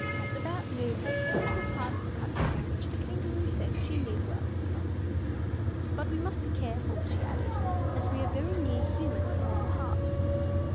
At about noon they came to a part of the country which the Kangaroo said she well knew. "But we must be careful," she added, "as we are very near Humans in this part."